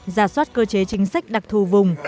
giả soát cơ chế chính sách đặc thù vùng